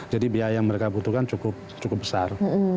jadi biaya yang mereka butuhkan cukup besar